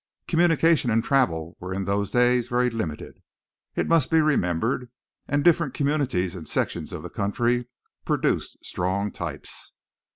Communication and travel were in those days very limited, it must be remembered, and different communities and sections of the country produced strong types.